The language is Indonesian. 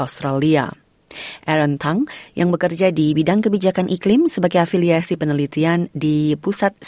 salah satu hal terbaik yang bisa kita lakukan adalah